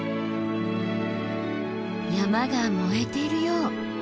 山が燃えているよう。